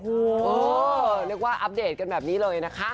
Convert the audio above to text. เรียกว่าอัปเดตกันแบบนี้เลยนะคะ